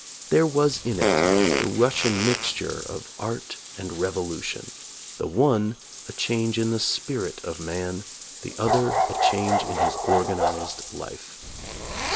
There was in it the Russian mixture of art and revolution, the one a change in the spirit of man, the other a change in his organized life.